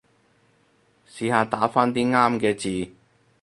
試下打返啲啱嘅字